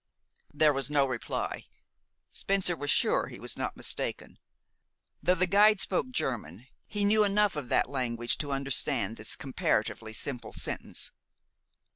There was no reply. Spencer was sure he was not mistaken. Though the guide spoke German, he knew enough of that language to understand this comparatively simple sentence.